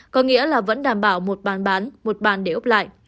có nghĩa là vẫn đảm bảo một bàn bán một bàn để ốc lại